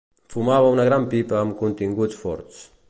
Fumava una gran pipa amb continguts forts.